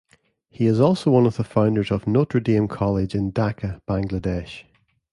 He is also one of the founders of Notre Dame College in Dhaka, Bangladesh.